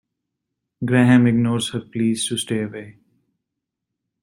Graham ignores her pleas to stay away.